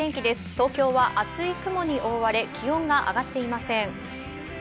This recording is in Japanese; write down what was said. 東京は厚い雲に覆われ、気温が上がっていません。